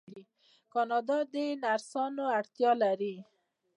کاناډا د نرسانو اړتیا لري.